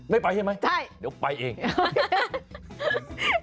ไม่ไปใช่ไหมยกไปเองโอเค